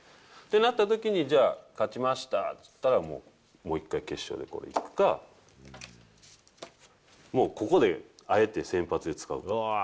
なったときにじゃあ、勝ちましたっていったら、もう１回、決勝でこういくか、もうここで、あえて先発で使う。